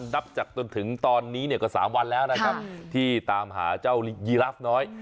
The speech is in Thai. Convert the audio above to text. นับจากจนถึงตอนนี้เนี่ยก็๓วันแล้วนะครับที่ตามหาเจ้ายีราฟน้อย